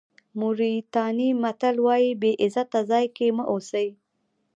موریتاني متل وایي بې عزته ځای کې مه اوسئ.